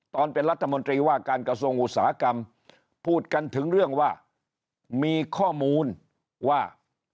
ตอนเป็นรัฐมนตรีว่าการกระทรวงอุตสาหกรรมพูดกันถึงเรื่องว่ามีข้อมูลว่า